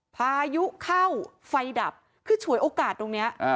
พายุเข้าไฟดับคือฉวยโอกาสตรงนี้